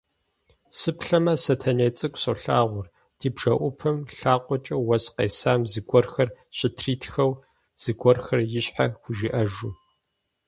Сыплъэмэ, Сэтэней цӏыкӏу солагъур, ди бжэӏупэм лъакъуэкӏэ уэс къесам зыгуэрхэр щытритхэу, зыгуэрхэр ищхьэ хужиӏэжу.